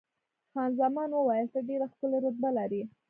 خان زمان وویل، ته ډېره ښکلې رتبه لرې.